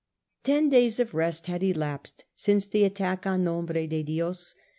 Ten days of rest had elapsed since the attack on Nombre de Dios.